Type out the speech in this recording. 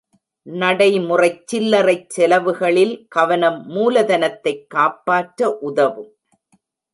நடைமுறைச் சில்லறைச் செலவுகளில் கவனம் மூலதனத்தைக் காப்பாற்ற உதவும்.